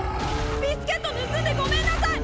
ビスケットぬすんでごめんなさい！